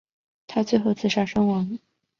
他最后自杀身亡。